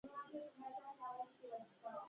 ګل راغلی، ګل پاڼه راغله